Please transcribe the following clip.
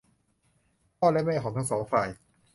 พ่อและแม่ของทั้งสองฝ่าย